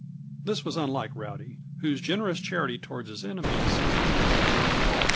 This was unlike Rowdy, whose generous charity toward his enemies came near being a fault.